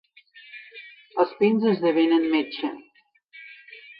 Els pins esdevenen metxa.